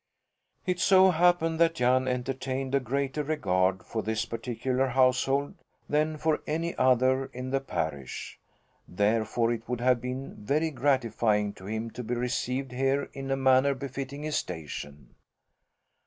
It so happened that Jan entertained a greater regard for this particular household than for any other in the parish; therefore it would have been very gratifying to him to be received here in a manner befitting his station.